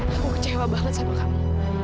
aku kecewa banget sama kamu